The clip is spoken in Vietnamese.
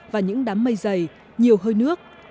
và những đám mây dày nhiều hơi nước